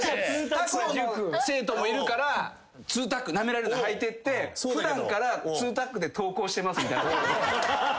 他校の生徒もいるから２タックはいてって普段から２タックで登校してますみたいな。